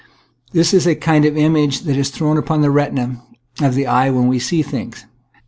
This is the kind of image that is thrown upon the retina of the eye when we see things.